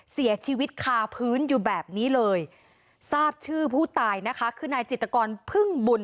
เสียชีวิตคาพื้นอยู่แบบนี้เลยทราบชื่อผู้ตายนะคะคือนายจิตกรพึ่งบุญ